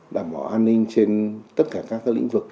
đảm bảo an ninh trên tất cả các lĩnh vực